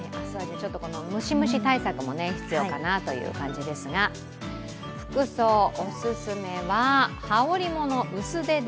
ムシムシ対策も必要かなという感じですが、服装、お勧めは羽織物薄手で。